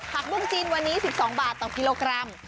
บุ้งจีนวันนี้๑๒บาทต่อกิโลกรัม